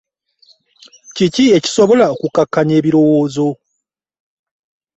Kiki ekisobola okukukakanya ebirowoozo?